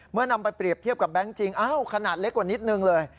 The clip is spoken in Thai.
นำไปเปรียบเทียบกับแบงค์จริงอ้าวขนาดเล็กกว่านิดนึงเลย